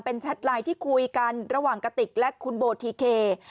แชทไลน์ที่คุยกันระหว่างกะติกและคุณโบทีเค